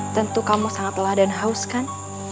tentu kamu sangat lelah dan haus kan